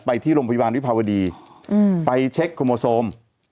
ที่โรงพยาบาลวิภาวดีไปเช็คโครโมโซม